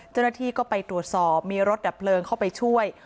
เจ้าหน้าที่ก็ไปตรวจสอบมีรถดับเพลิงเข้าไปช่วย